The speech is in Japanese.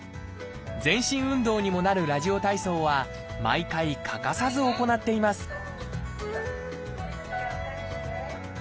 全身運動にもなるラジオ体操は毎回欠かさず行っています